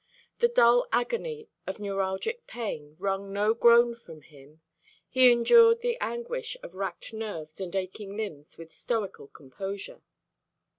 The dull agony of neuralgic pain wrung no groan from him; he endured the anguish of racked nerves and aching limbs with stoical composure.